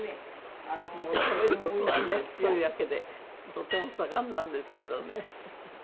食べる事はねそういうわけでとても盛んなんですけどね。